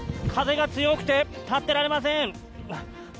風が強くて立ってられません。